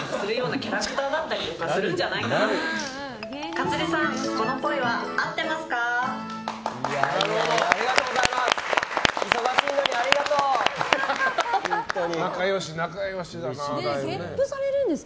勝地さん、このっぽいは合っていますか？